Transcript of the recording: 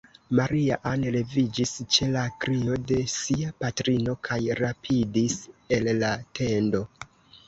Maria-Ann leviĝis ĉe la krio de sia patrino, kaj rapidis el la tendo.